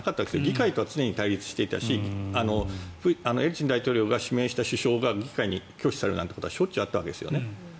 議会とは常に対立していたしエリツィン大統領が議会に拒否されることはしょっちゅうあったわけなんですね。